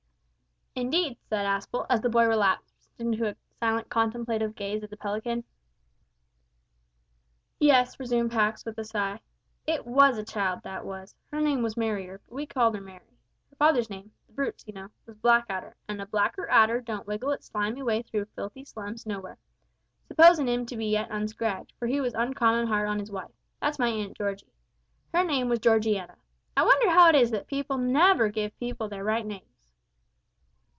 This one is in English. "Indeed," said Aspel, as the boy relapsed into a silent contemplative gaze at the pelican. "Yes," resumed Pax, with a sigh, "it was a child, that was. Her name was Mariar, but we called 'er Merry. Her father's name the Brute's, you know was Blackadder, and a blacker adder don't wriggle its slimy way through filthy slums nowhere supposin' him to be yet unscragged, for he was uncommon hard on his wife that's my Aunt Georgie. Her name was Georgianna. I wonder how it is that people never give people their right names!